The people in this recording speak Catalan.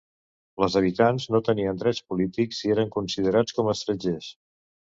Les habitants no tenien drets polítics i eren considerats com estrangers.